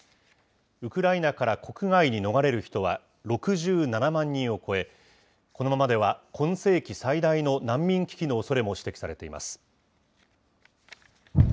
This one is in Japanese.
ウクライナから国外に逃れる人は６７万人を超え、このままでは、今世紀最大の難民危機のおそれも指摘されています。